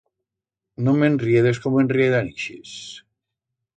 No m'enriedes, como enriedan ixes.